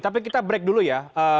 tapi kita break dulu ya